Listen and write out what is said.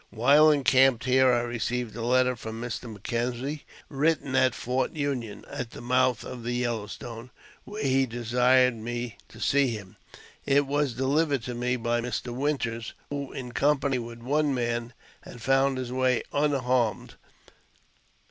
While encamped here I received a letter from Mr. M'Kenzie, written at Fort Union, at the mouth of the Yellow Stone, where he desired me to see him. It was dehvered to me by Mr. Winters, who, in company with one man, had found his way unharmed.